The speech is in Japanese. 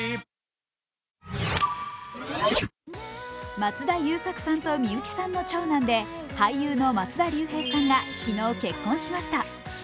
松田優作さんと美由紀さんの長男で俳優の松田龍平さんが昨日、結婚しました。